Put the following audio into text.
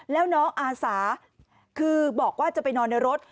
แล้วน้องอาสาคือบอกว่าจะไปนอนในรถ